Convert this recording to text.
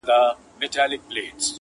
که ما غواړی درسره به یم یارانو-